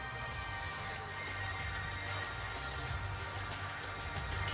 sebelum terjadi kebanggaan